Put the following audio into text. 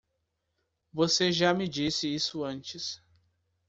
Você já me disse isso antes.